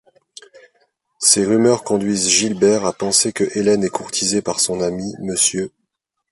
Ces rumeurs conduisent Gilbert à penser que Helen est courtisée par son ami, Mr.